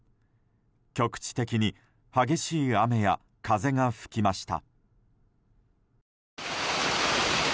局地的に激しい雨や風が吹きました。